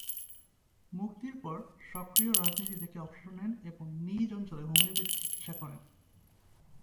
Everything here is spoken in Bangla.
মুক্তির পর সক্রিয় রাজনীতি থেকে অবসর নেন এবং নিজ অঞ্চলে হোমিওপ্যাথি চিকিৎসা করেন।